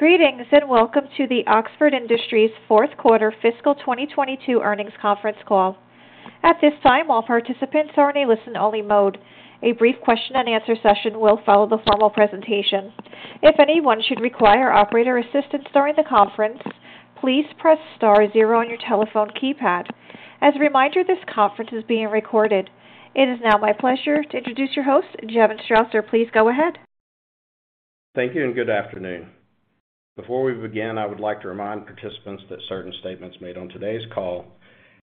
Greetings, welcome to the Oxford Industries fourth quarter fiscal 2022 earnings conference call. At this time, all participants are in a listen-only mode. A brief question-and-answer session will follow the formal presentation. If anyone should require operator assistance during the conference, please press star zero on your telephone keypad. As a reminder, this conference is being recorded. It is now my pleasure to introduce your host, Jevon Strasser. Please go ahead. Thank you and good afternoon. Before we begin, I would like to remind participants that certain statements made on today's call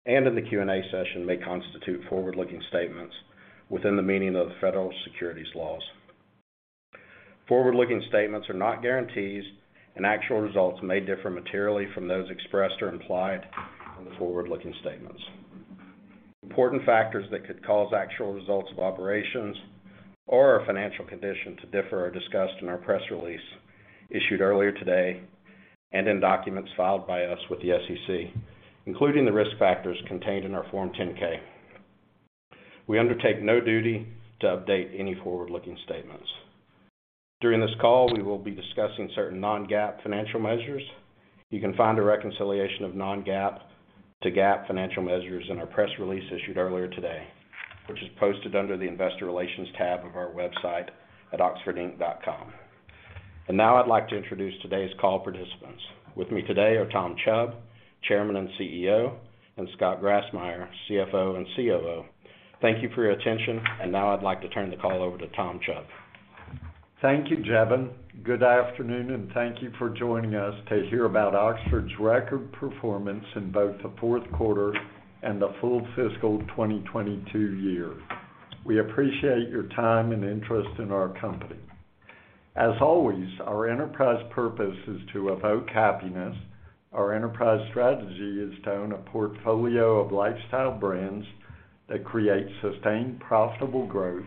and in the Q&A session may constitute forward-looking statements within the meaning of the federal securities laws. Forward-looking statements are not guarantees, and actual results may differ materially from those expressed or implied in the forward-looking statements. Important factors that could cause actual results of operations or our financial condition to differ are discussed in our press release issued earlier today and in documents filed by us with the SEC, including the risk factors contained in our Form 10-K. We undertake no duty to update any forward-looking statements. During this call, we will be discussing certain non-GAAP financial measures. You can find a reconciliation of non-GAAP to GAAP financial measures in our press release issued earlier today, which is posted under the Investor Relations tab of our website at oxfordinc.com. Now I'd like to introduce today's call participants. With me today are Tom Chubb, Chairman and CEO, and Scott Grassmyer, CFO and COO. Thank you for your attention, and now I'd like to turn the call over to Tom Chubb. Thank you, Jevon. Good afternoon, and thank you for joining us to hear about Oxford's record performance in both the fourth quarter and the full fiscal 2022 year. We appreciate your time and interest in our company. As always, our enterprise purpose is to evoke happiness. Our enterprise strategy is to own a portfolio of lifestyle brands that create sustained profitable growth,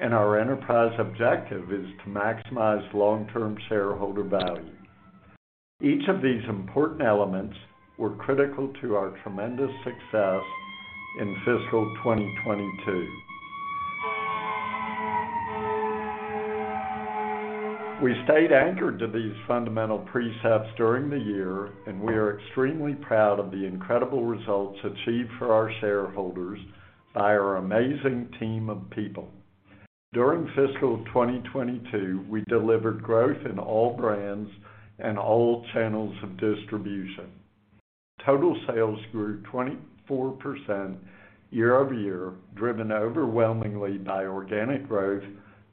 and our enterprise objective is to maximize long-term shareholder value. Each of these important elements were critical to our tremendous success in fiscal 2022. We stayed anchored to these fundamental precepts during the year, and we are extremely proud of the incredible results achieved for our shareholders by our amazing team of people. During fiscal 2022, we delivered growth in all brands and all channels of distribution. Total sales grew 24% year-over-year, driven overwhelmingly by organic growth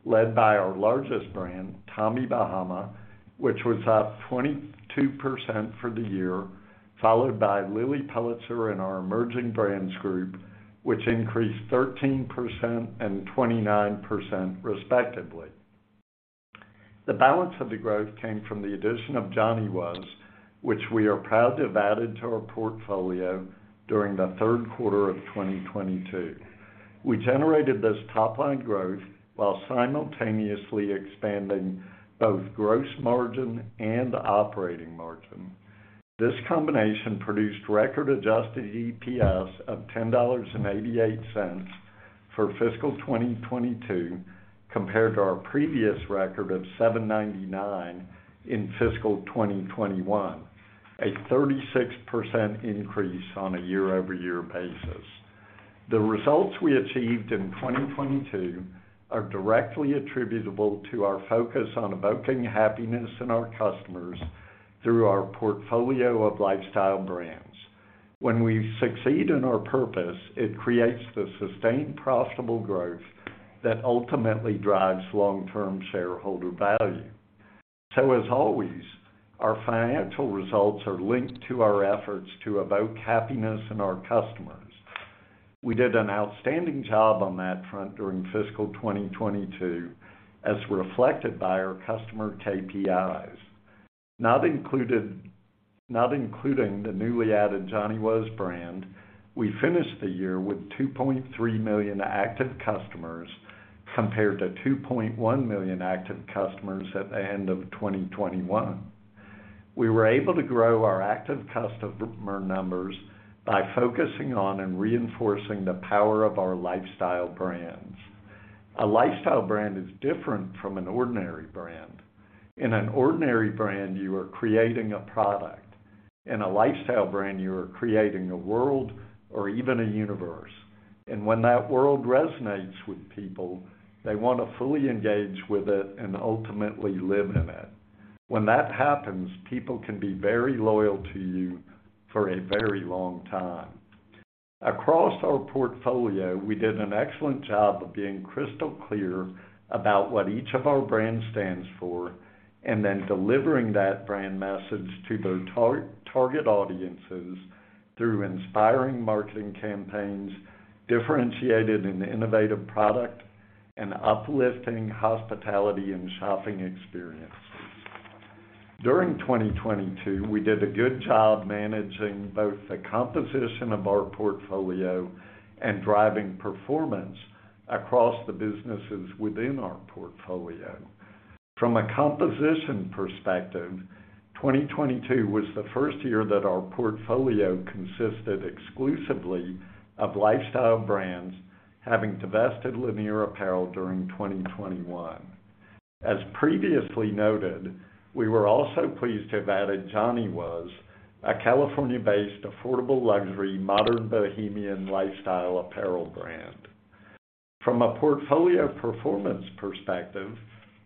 led by our largest brand, Tommy Bahama, which was up 22% for the year, followed by Lilly Pulitzer in our Emerging Brands Group, which increased 13% and 29% respectively. The balance of the growth came from the addition of Johnny Was, which we are proud to have added to our portfolio during the third quarter of 2022. We generated this top line growth while simultaneously expanding both gross margin and operating margin. This combination produced record adjusted EPS of $10.88 for fiscal 2022 compared to our previous record of $7.99 in fiscal 2021, a 36% increase on a year-over-year basis. The results we achieved in 2022 are directly attributable to our focus on evoking happiness in our customers through our portfolio of lifestyle brands. When we succeed in our purpose, it creates the sustained profitable growth that ultimately drives long-term shareholder value. As always, our financial results are linked to our efforts to evoke happiness in our customers. We did an outstanding job on that front during fiscal 2022, as reflected by our customer KPIs. Not including the newly added Johnny Was brand, we finished the year with 2.3 million active customers, compared to 2.1 million active customers at the end of 2021. We were able to grow our active customer numbers by focusing on and reinforcing the power of our lifestyle brands. A lifestyle brand is different from an ordinary brand. In an ordinary brand, you are creating a product. In a lifestyle brand, you are creating a world or even a universe. When that world resonates with people, they want to fully engage with it and ultimately live in it. When that happens, people can be very loyal to you for a very long time. Across our portfolio, we did an excellent job of being crystal clear about what each of our brands stands for, and then delivering that brand message to their target audiences through inspiring marketing campaigns, differentiated and innovative product, and uplifting hospitality and shopping experience. During 2022, we did a good job managing both the composition of our portfolio and driving performance across the businesses within our portfolio. From a composition perspective, 2022 was the first year that our portfolio consisted exclusively of lifestyle brands. Having divested Lanier Apparel during 2021. As previously noted, we were also pleased to have added Johnny Was, a California-based affordable luxury, modern bohemian lifestyle apparel brand. From a portfolio performance perspective,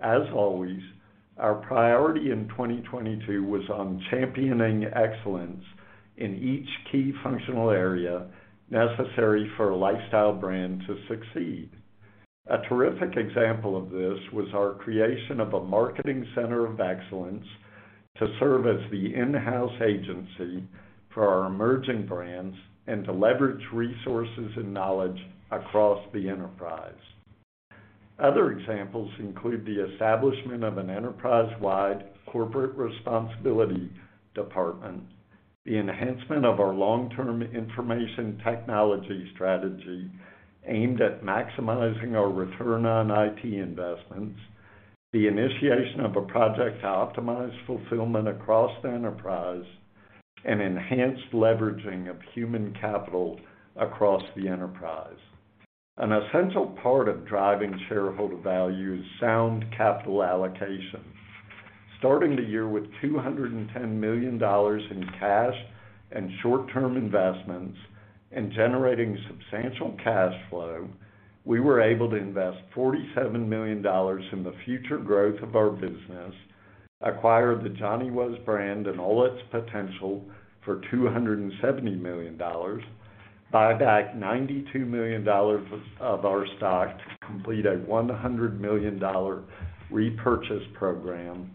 as always, our priority in 2022 was on championing excellence in each key functional area necessary for a lifestyle brand to succeed. A terrific example of this was our creation of a marketing center of excellence to serve as the in-house agency for our Emerging Brands and to leverage resources and knowledge across the enterprise. Other examples include the establishment of an enterprise-wide corporate responsibility department, the enhancement of our long-term information technology strategy aimed at maximizing our return on IT investments, the initiation of a project to optimize fulfillment across the enterprise, and enhanced leveraging of human capital across the enterprise. An essential part of driving shareholder value is sound capital allocation. Starting the year with $210 million in cash and short-term investments and generating substantial cash flow, we were able to invest $47 million in the future growth of our business, acquire the Johnny Was brand and all its potential for $270 million, buy back $92 million of our stock to complete a $100 million repurchase program,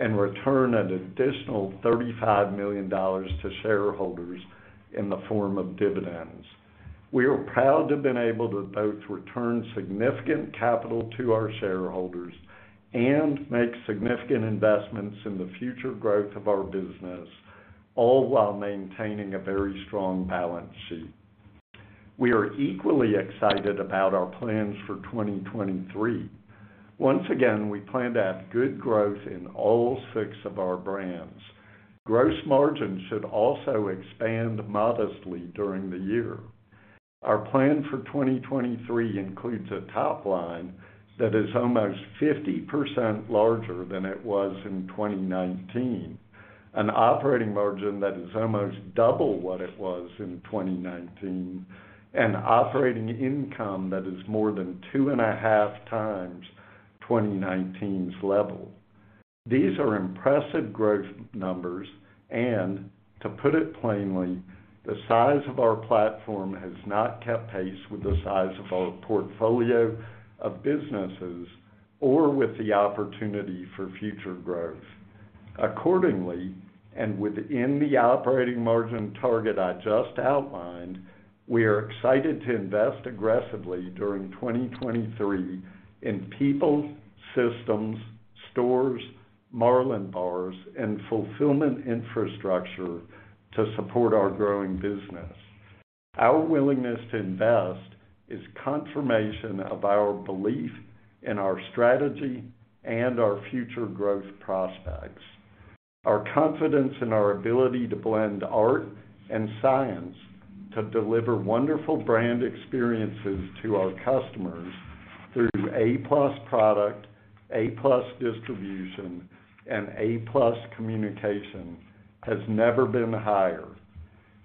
and return an additional $35 million to shareholders in the form of dividends. We are proud to have been able to both return significant capital to our shareholders and make significant investments in the future growth of our business, all while maintaining a very strong balance sheet. We are equally excited about our plans for 2023. Once again, we plan to have good growth in all six of our brands. Gross margin should also expand modestly during the year. Our plan for 2023 includes a top line that is almost 50% larger than it was in 2019. Operating margin that is almost double what it was in 2019. Operating income that is more than 2.5 times 2019's level. These are impressive growth numbers, and to put it plainly, the size of our platform has not kept pace with the size of our portfolio of businesses or with the opportunity for future growth. Accordingly, within the operating margin target I just outlined, we are excited to invest aggressively during 2023 in people, systems, stores, Marlin Bars, and fulfillment infrastructure to support our growing business. Our willingness to invest is confirmation of our belief in our strategy and our future growth prospects. Our confidence in our ability to blend art and science to deliver wonderful brand experiences to our customers through A-plus product, A-plus distribution, and A-plus communication has never been higher.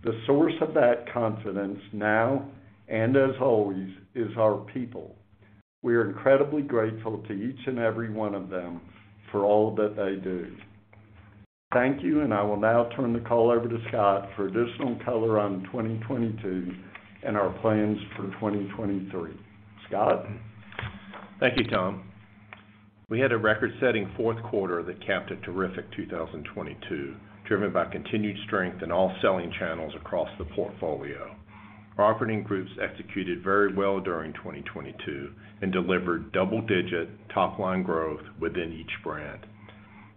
The source of that confidence now and as always is our people. We are incredibly grateful to each and every one of them for all that they do. Thank you, and I will now turn the call over to Scott for additional color on 2022 and our plans for 2023. Scott? Thank you, Tom. We had a record-setting fourth quarter that capped a terrific 2022, driven by continued strength in all selling channels across the portfolio. Our operating groups executed very well during 2022 and delivered double-digit top-line growth within each brand.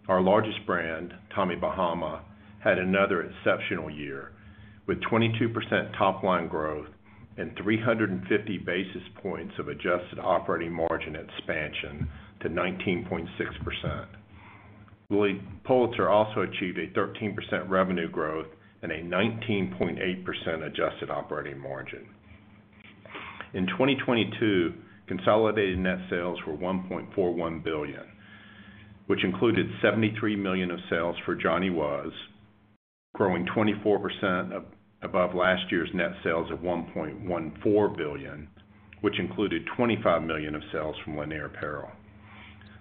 Our largest brand, Tommy Bahama, had another exceptional year, with 22% top-line growth and 350 basis points of adjusted operating margin expansion to 19.6%. Lilly Pulitzer also achieved a 13% revenue growth and a 19.8% adjusted operating margin. In 2022, consolidated net sales were $1.41 billion, which included $73 million of sales for Johnny Was, growing 24% above last year's net sales of $1.14 billion, which included $25 million of sales from Lanier Apparel.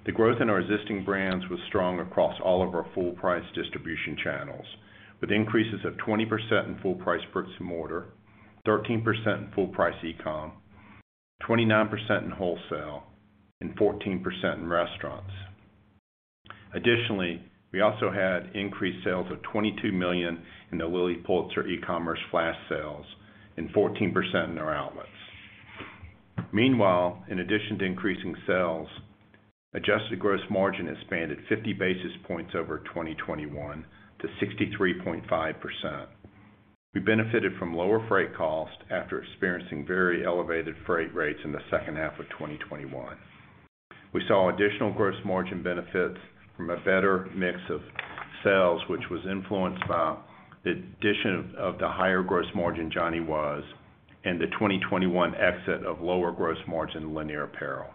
The growth in our existing brands was strong across all of our full-price distribution channels, with increases of 20% in full-price bricks and mortar, 13% in full-price e-commerce, 29% in wholesale, and 14% in restaurants. Additionally, we also had increased sales of $22 million in the Lilly Pulitzer e-commerce flash sales and 14% in our outlets. Meanwhile, in addition to increasing sales, adjusted gross margin expanded 50 basis points over 2021 to 63.5%. We benefited from lower freight costs after experiencing very elevated freight rates in the second half of 2021. We saw additional gross margin benefits from a better mix of sales, which was influenced by the addition of the higher gross margin Johnny Was, and the 2021 exit of lower gross margin Lanier Apparel.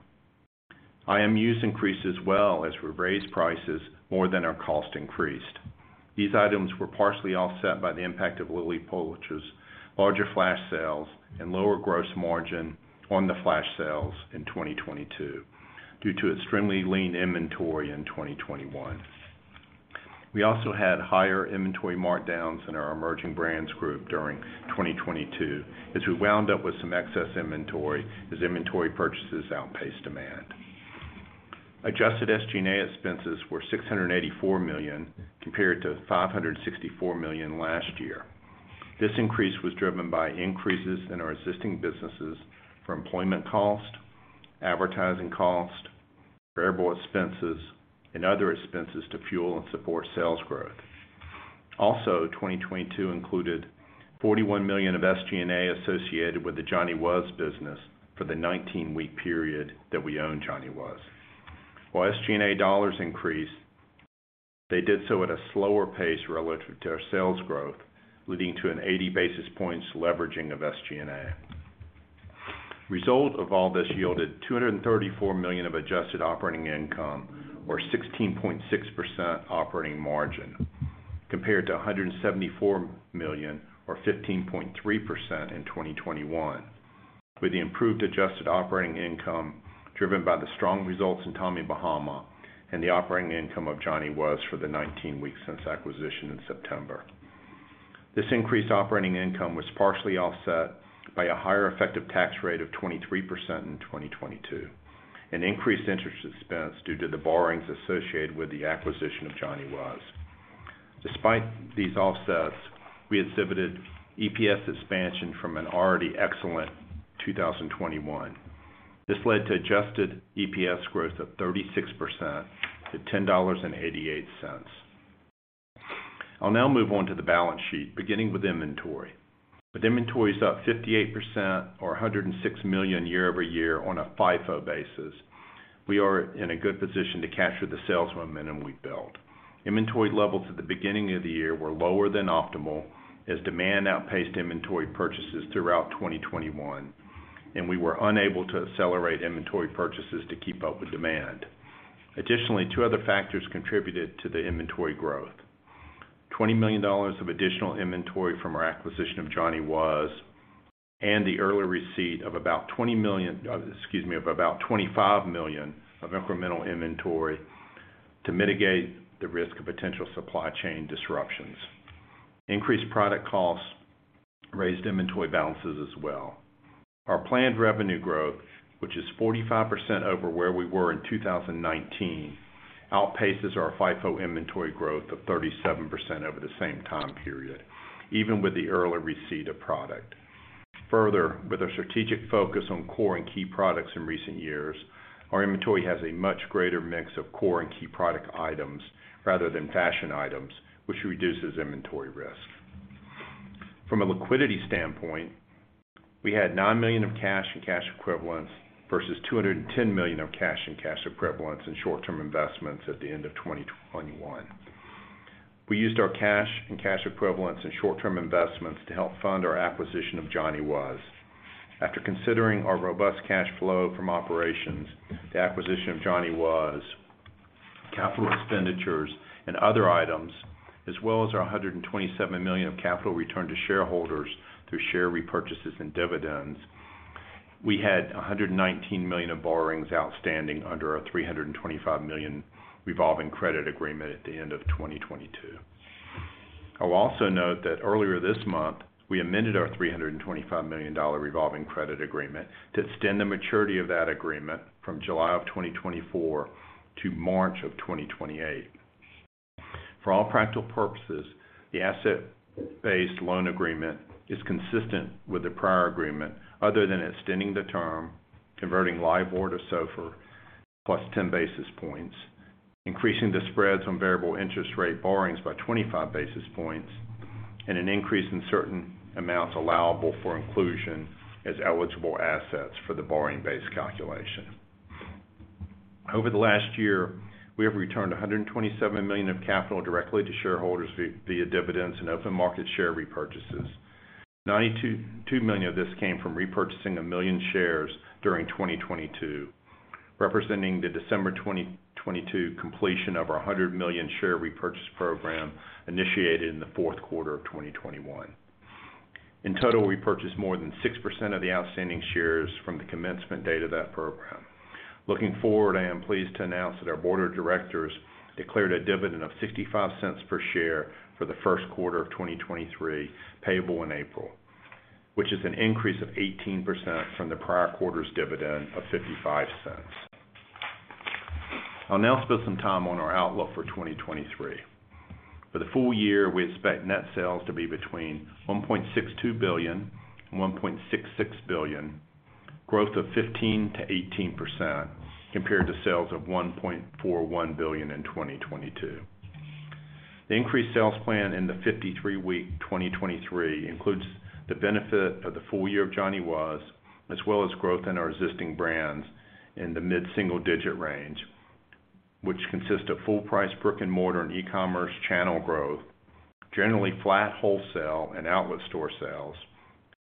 IMUs increased as well as we raised prices more than our cost increased. These items were partially offset by the impact of Lilly Pulitzer's larger flash sales and lower gross margin on the flash sales in 2022 due to extremely lean inventory in 2021. We also had higher inventory markdowns in our Emerging Brands Group during 2022 as we wound up with some excess inventory as inventory purchases outpaced demand. Adjusted SG&A expenses were $684 million, compared to $564 million last year. This increase was driven by increases in our existing businesses for employment cost, advertising cost, variable expenses, and other expenses to fuel and support sales growth. 2022 included $41 million of SG&A associated with the Johnny Was business for the 19-week period that we owned Johnny Was. While SG&A dollars increased, they did so at a slower pace relative to our sales growth, leading to an 80 basis points leveraging of SG&A. Result of all this yielded $234 million of adjusted operating income or 16.6% operating margin, compared to $174 million or 15.3% in 2021, with the improved adjusted operating income driven by the strong results in Tommy Bahama and the operating income of Johnny Was for the 19 weeks since acquisition in September. This increased operating income was partially offset by a higher effective tax rate of 23% in 2022, an increased interest expense due to the borrowings associated with the acquisition of Johnny Was. Despite these offsets, we exhibited EPS expansion from an already excellent 2021. This led to adjusted EPS growth of 36% to $10.88. I'll now move on to the balance sheet, beginning with inventory. With inventories up 58% or $106 million year-over-year on a FIFO basis, we are in a good position to capture the sales momentum we built. Inventory levels at the beginning of the year were lower than optimal as demand outpaced inventory purchases throughout 2021, and we were unable to accelerate inventory purchases to keep up with demand. Additionally, two other factors contributed to the inventory growth. $20 million of additional inventory from our acquisition of Johnny Was, and the early receipt of about $25 million of incremental inventory to mitigate the risk of potential supply chain disruptions. Increased product costs raised inventory balances as well. Our planned revenue growth, which is 45% over where we were in 2019, outpaces our FIFO inventory growth of 37% over the same time period, even with the early receipt of product. With our strategic focus on core and key products in recent years, our inventory has a much greater mix of core and key product items rather than fashion items, which reduces inventory risk. From a liquidity standpoint, we had $9 million of cash and cash equivalents versus $210 million of cash and cash equivalents in short-term investments at the end of 2021. We used our cash and cash equivalents in short-term investments to help fund our acquisition of Johnny Was. After considering our robust cash flow from operations, the acquisition of Johnny Was, capital expenditures and other items, as well as our $127 million of capital returned to shareholders through share repurchases and dividends, we had $119 million of borrowings outstanding under our $325 million revolving credit agreement at the end of 2022. I will also note that earlier this month, we amended our $325 million revolving credit agreement to extend the maturity of that agreement from July of 2024 to March of 2028. For all practical purposes, the asset-based loan agreement is consistent with the prior agreement other than extending the term, converting LIBOR to SOFR plus 10 basis points, increasing the spreads on variable interest rate borrowings by 25 basis points, and an increase in certain amounts allowable for inclusion as eligible assets for the borrowing base calculation. Over the last year, we have returned $127 million of capital directly to shareholders via dividends and open market share repurchases. $92 million of this came from repurchasing 1 million shares during 2022, representing the December 2022 completion of our $100 million share repurchase program initiated in the fourth quarter of 2021. In total, we purchased more than 6% of the outstanding shares from the commencement date of that program. Looking forward, I am pleased to announce that our board of directors declared a dividend of $0.65 per share for the first quarter of 2023, payable in April, which is an increase of 18% from the prior quarter's dividend of $0.55. I'll now spend some time on our outlook for 2023. For the full year, we expect net sales to be between $1.62 billion and $1.66 billion, growth of 15%-18% compared to sales of $1.41 billion in 2022. The increased sales plan in the 53-week 2023 includes the benefit of the full year of Johnny Was, as well as growth in our existing brands in the mid-single digit range, which consists of full price brick and mortar and e-commerce channel growth, generally flat wholesale and outlet store sales,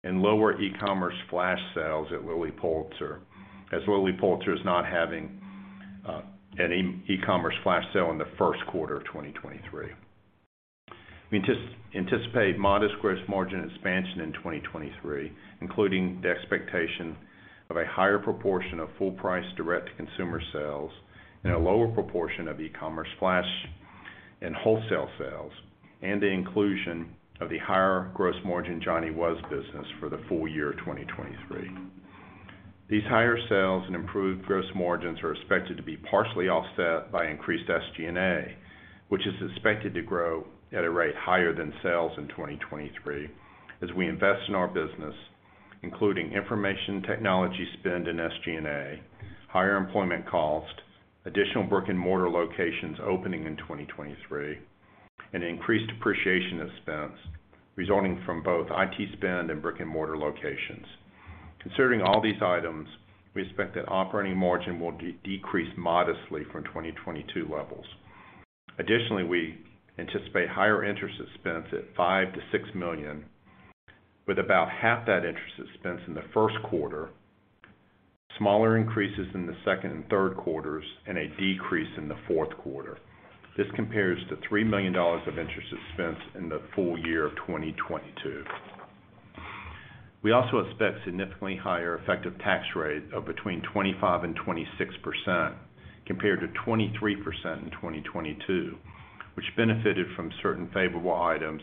and lower e-commerce flash sales at Lilly Pulitzer, as Lilly Pulitzer is not having any e-commerce flash sale in the first quarter of 2023. We just anticipate modest gross margin expansion in 2023, including the expectation of a higher proportion of full price direct-to-consumer sales and a lower proportion of e-commerce flash and wholesale sales, and the inclusion of the higher gross margin Johnny Was business for the full year of 2023. These higher sales and improved gross margins are expected to be partially offset by increased SG&A, which is expected to grow at a rate higher than sales in 2023 as we invest in our business, including information technology spend in SG&A, higher employment costs, additional brick-and-mortar locations opening in 2023, and increased depreciation expense resulting from both IT spend and brick-and-mortar locations. Considering all these items, we expect that operating margin will decrease modestly from 2022 levels. Additionally, we anticipate higher interest expense at $5 million-$6 million, with about half that interest expense in the first quarter, smaller increases in the second and third quarters, and a decrease in the fourth quarter. This compares to $3 million of interest expense in the full year of 2022. We also expect significantly higher effective tax rate of between 25% and 26% compared to 23% in 2022, which benefited from certain favorable items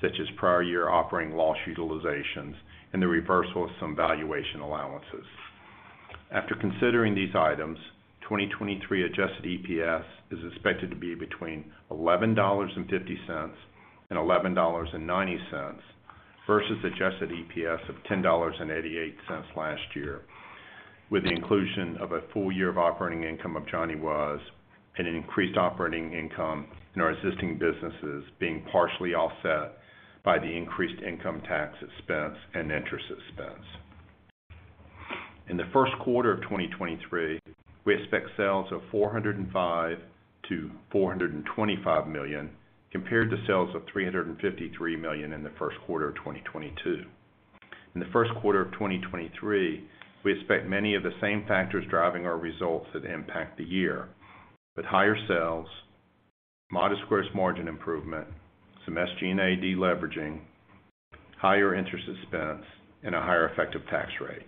such as prior year net operating loss utilizations and the reversal of some valuation allowances. After considering these items, 2023 adjusted EPS is expected to be between $11.50 and $11.90 versus adjusted EPS of $10.88 last year, with the inclusion of a full year of operating income of Johnny Was and an increased operating income in our existing businesses being partially offset by the increased income tax expense and interest expense. In the first quarter of 2023, we expect sales of $405 million-$425 million compared to sales of $353 million in the first quarter of 2022. In the first quarter of 2023, we expect many of the same factors driving our results that impact the year with higher sales, modest gross margin improvement, some SG&A deleveraging, higher interest expense, and a higher effective tax rate.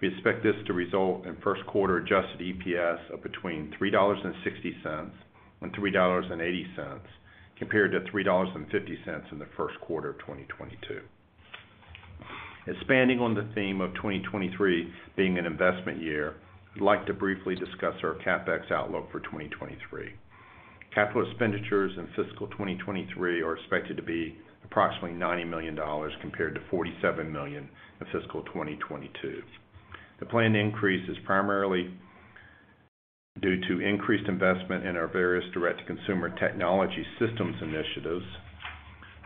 We expect this to result in first quarter adjusted EPS of between $3.60 and $3.80 compared to $3.50 in the first quarter of 2022. Expanding on the theme of 2023 being an investment year, I'd like to briefly discuss our CapEx outlook for 2023. Capital expenditures in fiscal 2023 are expected to be approximately $90 million compared to $47 million in fiscal 2022. The planned increase is primarily due to increased investment in our various direct-to-consumer technology systems initiatives,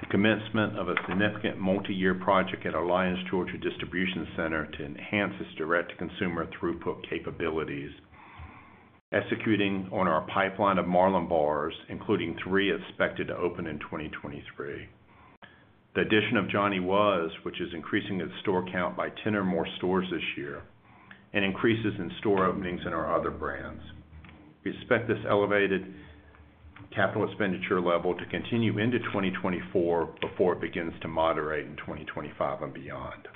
the commencement of a significant multi-year project at Lyons, Georgia distribution center to enhance its direct-to-consumer throughput capabilities, executing on our pipeline of Marlin Bars, including 3 expected to open in 2023. The addition of Johnny Was, which is increasing its store count by 10 or more stores this year, and increases in store openings in our other brands. We expect this elevated capital expenditure level to continue into 2024 before it begins to moderate in 2025 and beyond.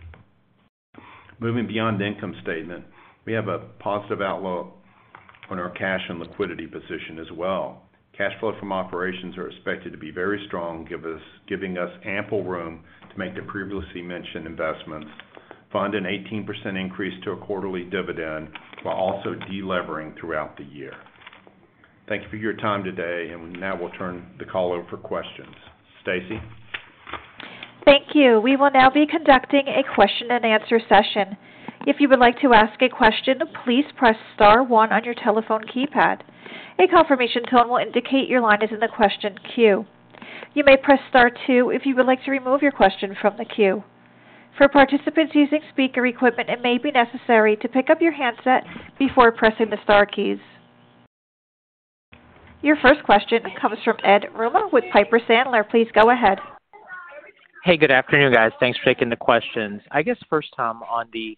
Moving beyond the income statement, we have a positive outlook on our cash and liquidity position as well. Cash flow from operations are expected to be very strong, giving us ample room to make the previously mentioned investments, fund an 18% increase to a quarterly dividend while also delevering throughout the year. Thank you for your time today, now we'll turn the call over for questions. Stacy? Thank you. We will now be conducting a question and answer session. If you would like to ask a question, please press star one on your telephone keypad. A confirmation tone will indicate your line is in the question queue. You may press star two if you would like to remove your question from the queue. For participants using speaker equipment, it may be necessary to pick up your handset before pressing the star keys. Your first question comes from Ed Yruma with Piper Sandler. Please go ahead. Hey, good afternoon, guys. Thanks for taking the questions. I guess first, Tom, on the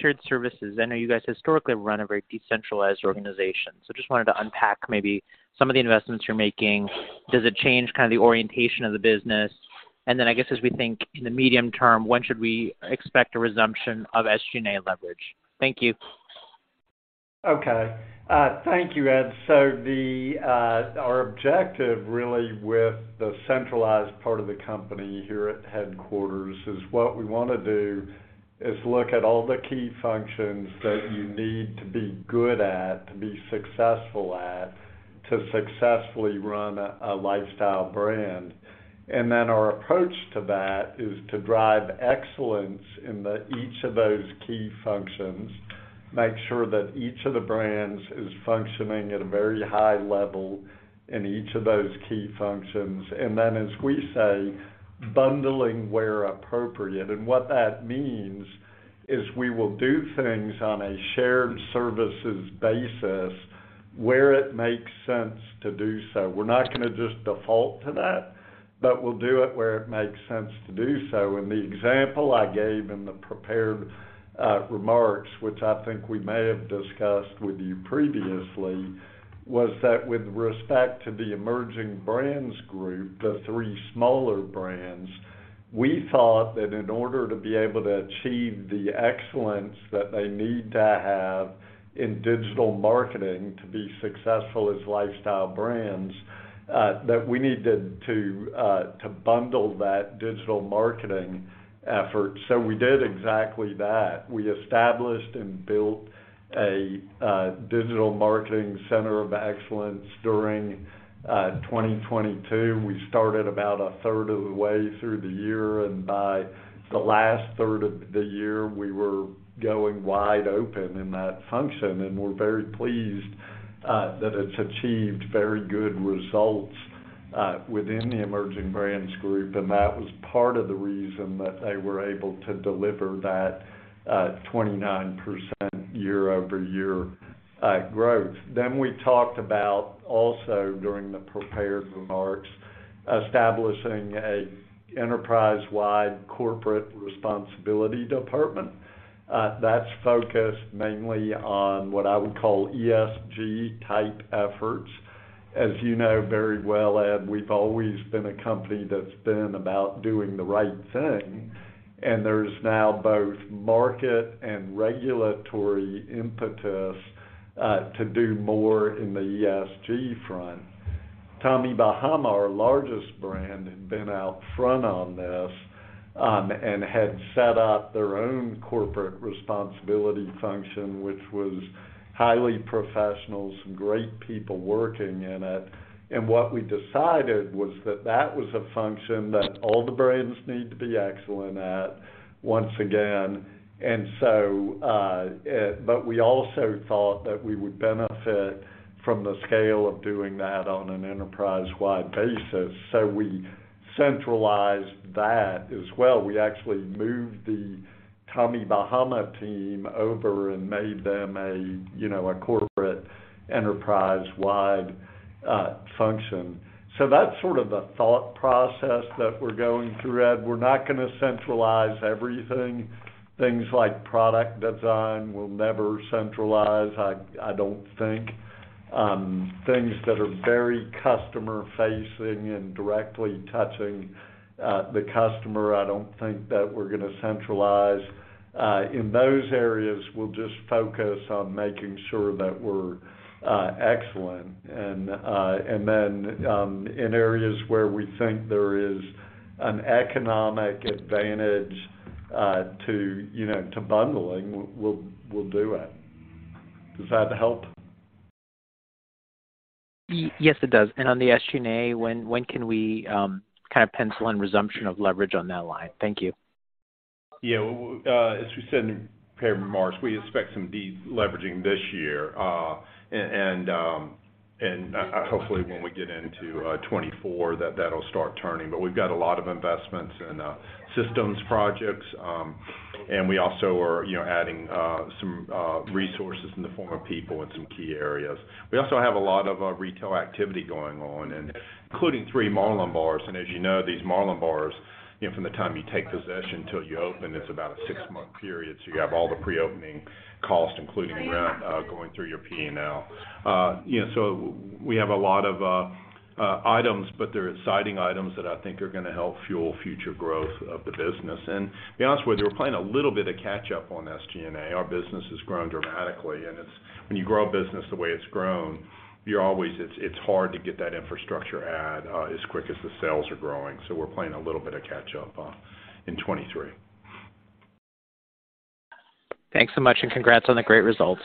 shared services, I know you guys historically run a very decentralized organization. Just wanted to unpack maybe some of the investments you're making. Does it change kind of the orientation of the business? I guess as we think in the medium term, when should we expect a resumption of SG&A leverage? Thank you. Okay. Thank you, Ed. Our objective really with the centralized part of the company here at headquarters is what we wanna do is look at all the key functions that you need to be good at, to be successful at, to successfully run a lifestyle brand. Then our approach to that is to drive excellence in each of those key functions, make sure that each of the brands is functioning at a very high level in each of those key functions, then as we say, bundling where appropriate. What that means is we will do things on a shared services basis where it makes sense to do so. We're not gonna just default to that, but we'll do it where it makes sense to do so. The example I gave in the prepared remarks, which I think we may have discussed with you previously, was that with respect to the Emerging Brands Group, the three smaller brands, we thought that in order to be able to achieve the excellence that they need to have in digital marketing to be successful as lifestyle brands, that we needed to to bundle that digital marketing effort. We did exactly that. We established and built a digital marketing center of excellence during 2022. We started about a third of the way through the year, and by the last third of the year, we were going wide open in that function, and we're very pleased that it's achieved very good results within the Emerging Brands Group. That was part of the reason that they were able to deliver that 29% year-over-year growth. We talked about also, during the prepared remarks, establishing a enterprise-wide corporate responsibility department. That's focused mainly on what I would call ESG-type efforts. As you know very well, Ed Yruma, we've always been a company that's been about doing the right thing, and there's now both market and regulatory impetus to do more in the ESG front. Tommy Bahama, our largest brand, had been out front on this, and had set up their own corporate responsibility function, which was highly professional, some great people working in it. What we decided was that that was a function that all the brands need to be excellent at once again. It. We also thought that we would benefit from the scale of doing that on an enterprise-wide basis, so we centralized that as well. We actually moved the Tommy Bahama team over and made them a, you know, a corporate enterprise-wide function. That's sort of the thought process that we're going through, Ed. We're not gonna centralize everything. Things like product design, we'll never centralize, I don't think. Things that are very customer-facing and directly touching the customer, I don't think that we're gonna centralize. In those areas, we'll just focus on making sure that we're excellent. Then, in areas where we think there is an economic advantage, to, you know, to bundling, we'll do it. Does that help? Yes, it does. On the SG&A, when can we kind of pencil in resumption of leverage on that line? Thank you. Yeah. Well, as we said in the prepared remarks, we expect some deleveraging this year. Hopefully when we get into 2024, that'll start turning. We've got a lot of investments in systems projects, and we also are, you know, adding some resources in the form of people in some key areas. We also have a lot of retail activity going on and including 3 Marlin Bars. As you know, these Marlin Bars, you know, from the time you take possession till you open, it's about a 6-month period, so you have all the pre-opening costs, including rent, going through your P&L. You know, we have a lot of items, but they're exciting items that I think are gonna help fuel future growth of the business. To be honest with you, we're playing a little bit of catch up on SG&A. Our business has grown dramatically, when you grow a business the way it's grown, you're always, it's hard to get that infrastructure add as quick as the sales are growing. We're playing a little bit of catch up in 2023. Thanks so much, and congrats on the great results.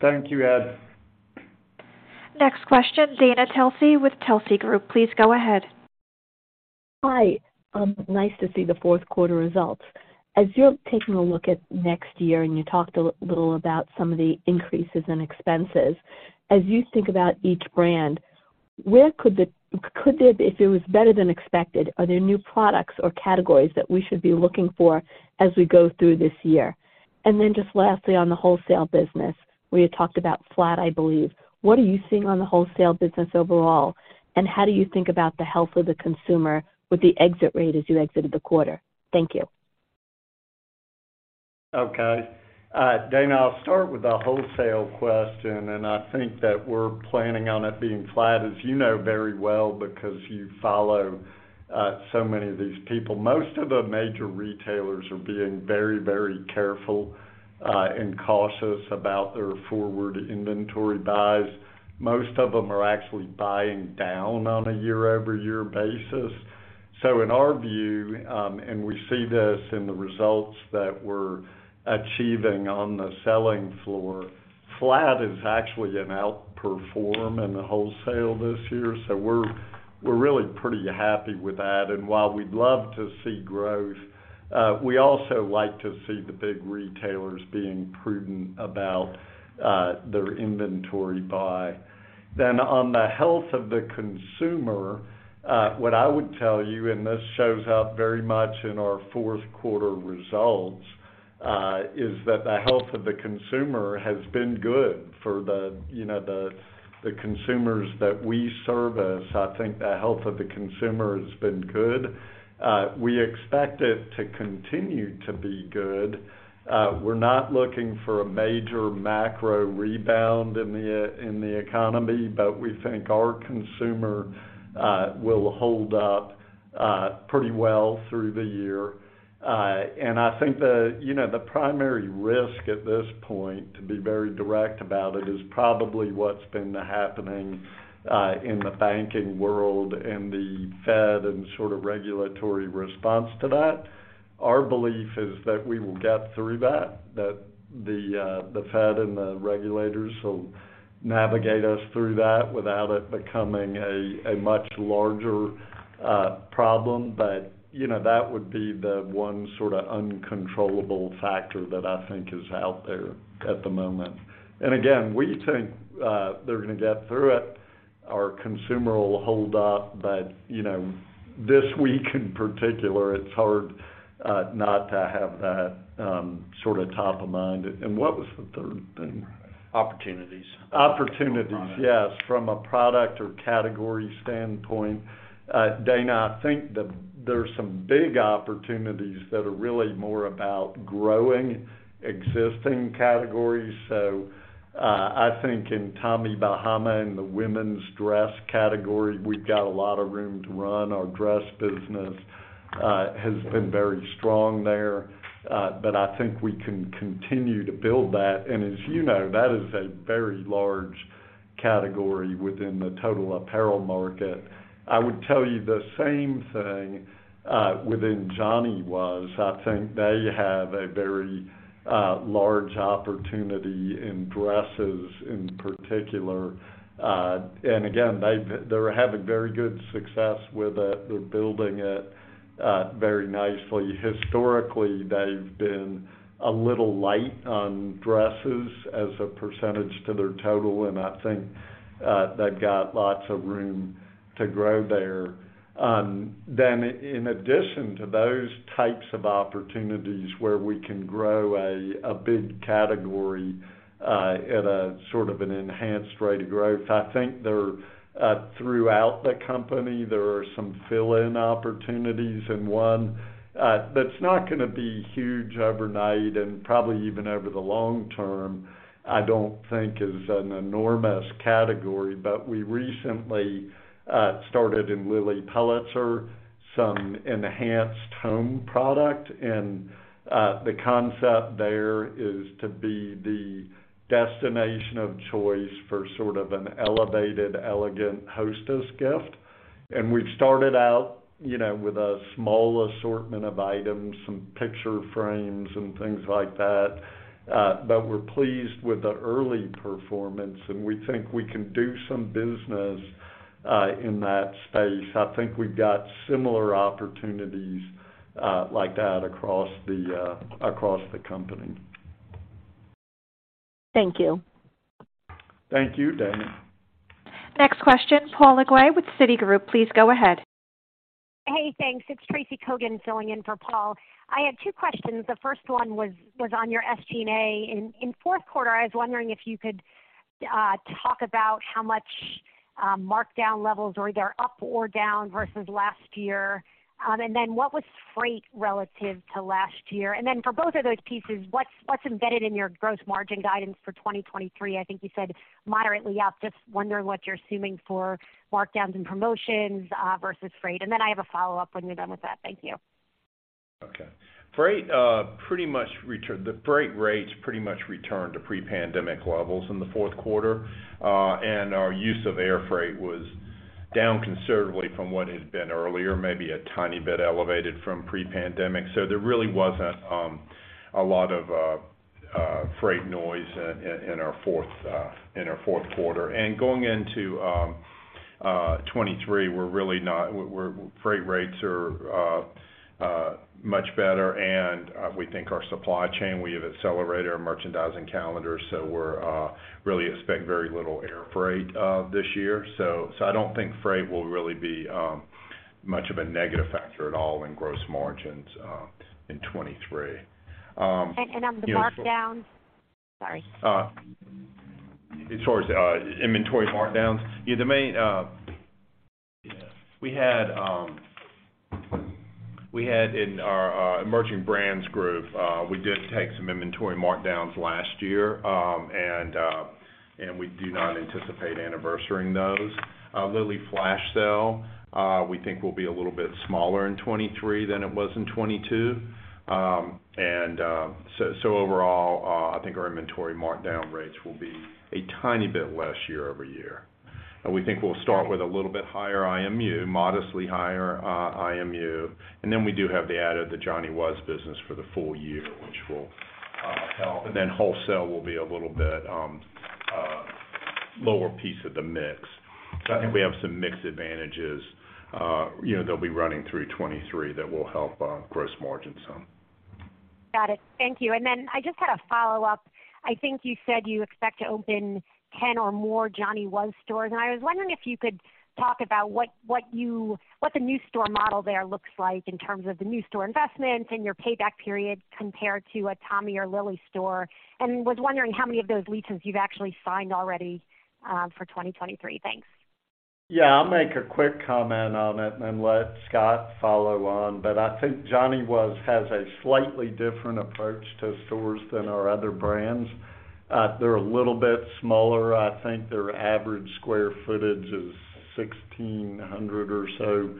Thank you, Ed. Next question, Dana Telsey with Telsey Group. Please go ahead. Hi. nice to see the fourth quarter results. As you're taking a look at next year, you talked a little about some of the increases in expenses, as you think about each brand, if it was better than expected, are there new products or categories that we should be looking for as we go through this year? Then just lastly, on the wholesale business, where you talked about flat, I believe. What are you seeing on the wholesale business overall, and how do you think about the health of the consumer with the exit rate as you exited the quarter? Thank you. Okay. Dana, I'll start with the wholesale question, and I think that we're planning on it being flat, as you know very well, because you follow, so many of these people. Most of the major retailers are being very, very careful, and cautious about their forward inventory buys. Most of them are actually buying down on a year-over-year basis. In our view, and we see this in the results that we're achieving on the selling floor, flat is actually an outperform in the wholesale this year, so we're really pretty happy with that. While we'd love to see growth, we also like to see the big retailers being prudent about, their inventory buy. On the health of the consumer, what I would tell you, and this shows up very much in our fourth quarter results, is that the health of the consumer has been good. For the, you know, the consumers that we service, I think the health of the consumer has been good. We expect it to continue to be good. We're not looking for a major macro rebound in the economy, but we think our consumer will hold up pretty well through the year. I think the, you know, the primary risk at this point, to be very direct about it, is probably what's been happening in the banking world and the Fed and sort of regulatory response to that. Our belief is that we will get through that the Fed and the regulators will navigate us through that without it becoming a much larger problem. You know, that would be the one sort of uncontrollable factor that I think is out there at the moment. Again, we think they're gonna get through it. Our consumer will hold up but, you know, this week in particular, it's hard not to have that sort of top of mind. What was the third thing? Opportunities. Opportunities, yes. From a product or category standpoint, Dana, I think there's some big opportunities that are really more about growing existing categories. I think in Tommy Bahama, in the women's dress category, we've got a lot of room to run. Our dress business has been very strong there. I think we can continue to build that. As you know, that is a very large category within the total apparel market. I would tell you the same thing within Johnny Was. I think they have a very large opportunity in dresses in particular. Again, they're having very good success with it. They're building it very nicely. Historically, they've been a little light on dresses as a percentage to their total, and I think they've got lots of room to grow there. In addition to those types of opportunities where we can grow a big category at a sort of an enhanced rate of growth, I think throughout the company, there are some fill-in opportunities. One that's not gonna be huge overnight and probably even over the long term, I don't think is an enormous category, but we recently started in Lilly Pulitzer some enhanced home product. The concept there is to be the destination of choice for sort of an elevated, elegant hostess gift. We've started out, you know, with a small assortment of items, some picture frames and things like that, but we're pleased with the early performance, and we think we can do some business in that space. I think we've got similar opportunities like that across the company. Thank you. Thank you, Dana. Next question, Paul Lejuez with Citigroup. Please go ahead. Hey, thanks. It's Tracy Kogan filling in for Paul. I had two questions. The first one was on your SG&A. In fourth quarter, I was wondering if you could talk about how much markdown levels were either up or down versus last year. What was freight relative to last year? For both of those pieces, what's embedded in your gross margin guidance for 2023? I think you said moderately up. Just wondering what you're assuming for markdowns and promotions versus freight. I have a follow-up when you're done with that. Thank you. Okay. The freight rates pretty much returned to pre-pandemic levels in the fourth quarter. Our use of air freight was down considerably from what it had been earlier, maybe a tiny bit elevated from pre-pandemic. There really wasn't a lot of freight noise in our fourth quarter. Going into 2023, freight rates are much better, and we think our supply chain, we have accelerated our merchandising calendar, so we really expect very little air freight this year. I don't think freight will really be much of a negative factor at all in gross margins in 2023. You know. On the markdowns. Sorry. As far as inventory markdowns, we had in our Emerging Brands Group, we did take some inventory markdowns last year. We do not anticipate anniversarying those. Lilly flash sale, we think will be a little bit smaller in 2023 than it was in 2022. Overall, I think our inventory markdown rates will be a tiny bit less year-over-year. We think we'll start with a little bit higher IMU, modestly higher, IMU. We do have the add of the Johnny Was business for the full year, which will help. Wholesale will be a little bit lower piece of the mix. I think we have some mix advantages, you know, they'll be running through 2023 that will help gross margin. Got it. Thank you. I just had a follow-up. I think you said you expect to open 10 or more Johnny Was stores, and I was wondering if you could talk about what the new store model there looks like in terms of the new store investments and your payback period compared to a Tommy or Lilly store. Was wondering how many of those leases you've actually signed already for 2023. Thanks. Yeah. I'll make a quick comment on it and then let Scott follow on. I think Johnny Was has a slightly different approach to stores than our other brands. They're a little bit smaller. I think their average square footage is 1,600 or so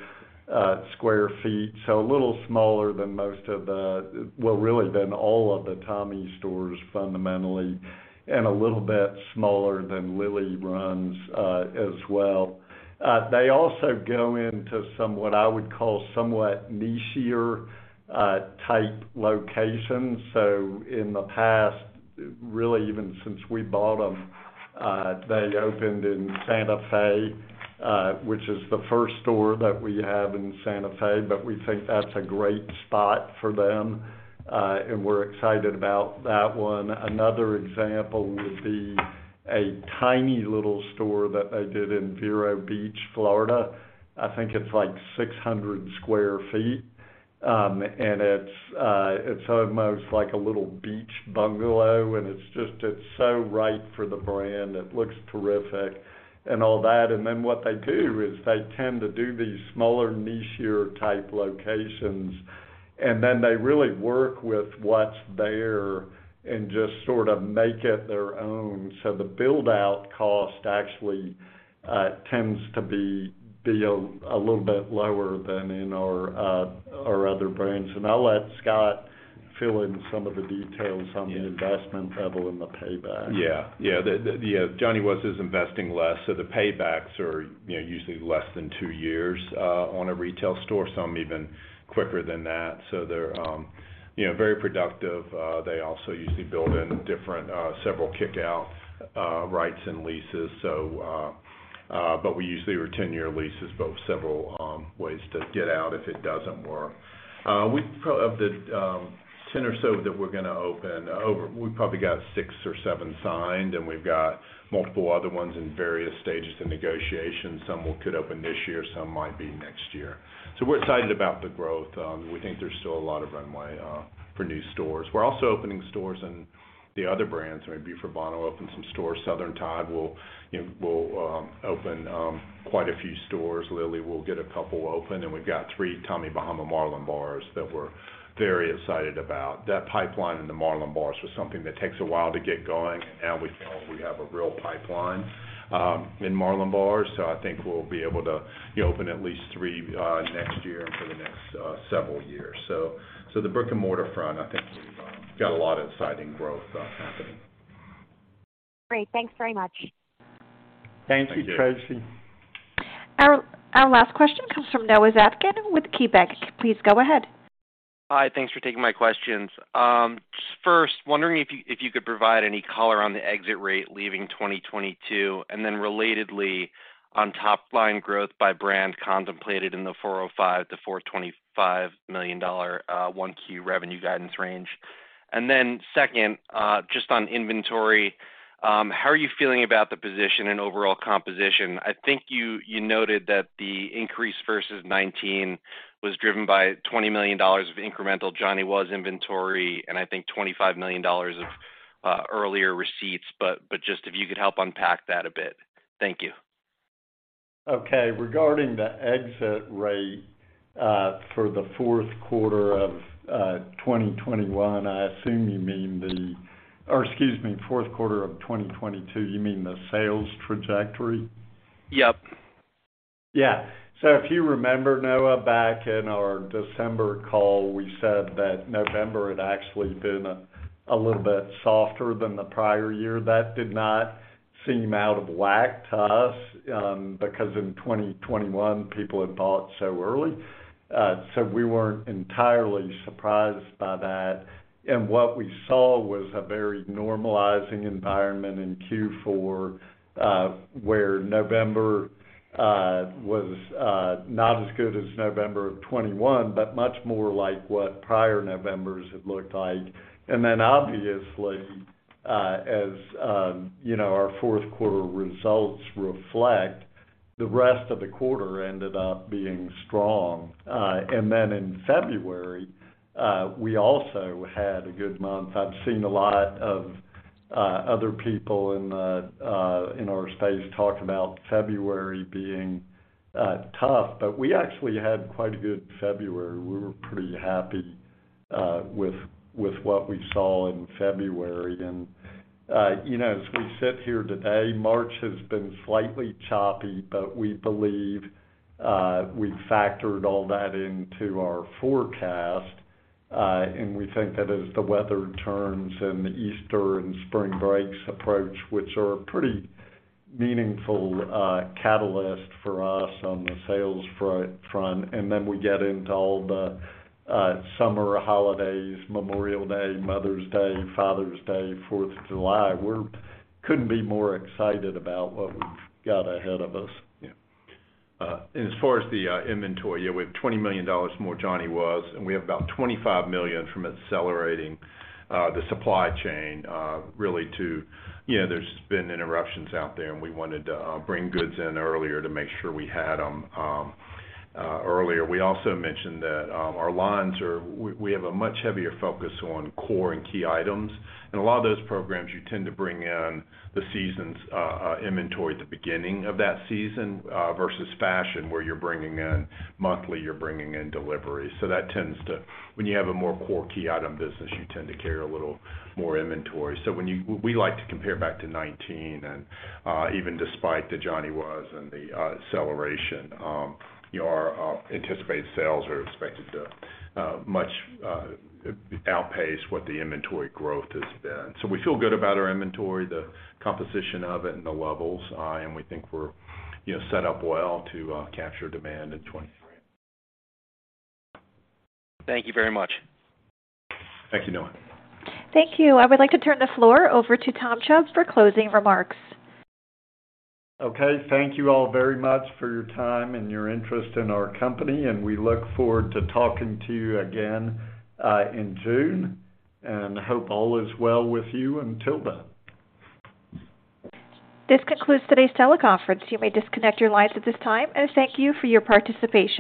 sq ft, so a little smaller than most of the... Well, really than all of the Tommy stores fundamentally, and a little bit smaller than Lilly runs as well. They also go into some, what I would call somewhat nichier type locations. In the past, really even since we bought them, they opened in Santa Fe, which is the first store that we have in Santa Fe, but we think that's a great spot for them, and we're excited about that one. Another example would be a tiny little store that they did in Vero Beach, Florida. I think it's like 600 square feet. It's almost like a little beach bungalow, and it's just, it's so right for the brand. It looks terrific and all that. Then what they do is they tend to do these smaller nichier type locations, and then they really work with what's there and just sort of make it their own. The build out cost actually tends to be a little bit lower than in our other brands. I'll let Scott fill in some of the details on the investment level and the payback. Yeah. The Johnny Was is investing less, so the paybacks are, you know, usually less than two years on a retail store, some even quicker than that. They're, you know, very productive. They also usually build in different several kick-out rights and leases. We usually re-10-year leases, but with several ways to get out if it doesn't work. Of the 10 or so that we're gonna open, we've probably got six to seven signed, and we've got multiple other ones in various stages of negotiation. Some could open this year, some might be next year. We're excited about the growth. We think there's still a lot of runway for new stores. We're also opening stores in the other brands. I mean, Bufi Rabano opened some stores. Southern Tide will, you know, open quite a few stores. Lilly will get a couple open. We've got three Tommy Bahama Marlin Bars that we're very excited about. That pipeline in the Marlin Bars was something that takes a while to get going. Now we feel we have a real pipeline in Marlin Bars. I think we'll be able to, you know, open at least three next year and for the next several years. The brick-and-mortar front, I think we've got a lot of exciting growth happening. Great. Thanks very much. Thank you, Tracy. Thank you. Our last question comes from Noah Zatzkin with KeyBanc Capital Markets. Please go ahead. Hi. Thanks for taking my questions. First, wondering if you could provide any color on the exit rate leaving 2022, and then relatedly, on top line growth by brand contemplated in the $405 million-$425 million 1Q revenue guidance range. Second, just on inventory, how are you feeling about the position and overall composition? I think you noted that the increase versus 2019 was driven by $20 million of incremental Johnny Was inventory and I think $25 million of earlier receipts, but just if you could help unpack that a bit. Thank you. Okay. Regarding the exit rate, for the fourth quarter of 2021, I assume you mean the... Or excuse me, fourth quarter of 2022, you mean the sales trajectory? Yep. Yeah. If you remember, Noah, back in our December call, we said that November had actually been a little bit softer than the prior year. That did not seem out of whack to us, because in 2021, people had bought so early. So we weren't entirely surprised by that. What we saw was a very normalizing environment in Q4, where November was not as good as November of 2021, but much more like what prior Novembers had looked like. Obviously, as, you know, our fourth quarter results reflect, the rest of the quarter ended up being strong. In February, we also had a good month. I've seen a lot of other people in our space talk about February being tough, but we actually had quite a good February. We were pretty happy with what we saw in February. You know, as we sit here today, March has been slightly choppy, but we believe we've factored all that into our forecast. We think that as the weather turns and the Easter and spring breaks approach, which are a pretty meaningful catalyst for us on the sales front, and then we get into all the summer holidays, Memorial Day, Mother's Day, Father's Day, Fourth of July, couldn't be more excited about what we've got ahead of us. Yeah. As far as the inventory, yeah, we have $20 million more Johnny Was, and we have about $25 million from accelerating the supply chain, really to, you know, there's been interruptions out there, and we wanted to bring goods in earlier to make sure we had them earlier. We also mentioned that our lines, we have a much heavier focus on core and key items. A lot of those programs you tend to bring in the season's inventory at the beginning of that season, versus fashion, where you're bringing in monthly, you're bringing in deliveries. When you have a more core key item business, you tend to carry a little more inventory. We like to compare back to 2019 and even despite the Johnny Was and the acceleration, you know, our anticipated sales are expected to much outpace what the inventory growth has been. We feel good about our inventory, the composition of it and the levels, and we think we're, you know, set up well to capture demand in 2023. Thank you very much. Thank you, Noah Zatzkin. Thank you. I would like to turn the floor over to Tom Chubb for closing remarks. Okay. Thank you all very much for your time and your interest in our company, and we look forward to talking to you again, in June. I hope all is well with you until then. This concludes today's teleconference. You may disconnect your lines at this time, and thank you for your participation.